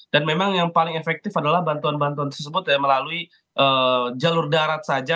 dan memang yang paling efektif adalah bantuan bantuan tersebut melalui jalur darat saja